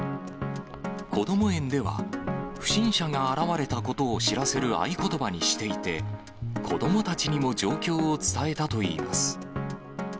こども園では、不審者が現われたことを知らせる合言葉にしていて、子どもたちにも状況を伝えたといいます。